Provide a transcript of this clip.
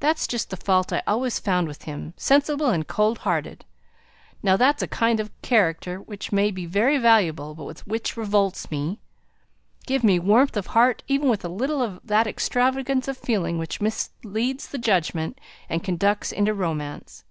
"That's just the fault I always found with him; sensible and cold hearted! Now, that's a kind of character which may be very valuable, but which revolts me. Give me warmth of heart, even with a little of that extravagance of feeling which misleads the judgment, and conducts into romance.